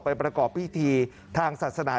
ประกอบพิธีทางศาสนา